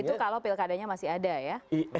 itu kalau pilkadanya masih ada ya